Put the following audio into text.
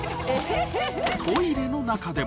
トイレの中でも。